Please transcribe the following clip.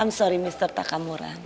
maaf pak takamura